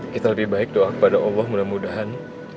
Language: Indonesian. kita lebih baik doa kepada allah mudah mudahan